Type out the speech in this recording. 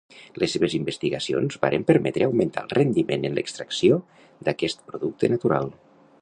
Les seves investigacions varen permetre augmentar el rendiment en l'extracció d'aquest producte natural.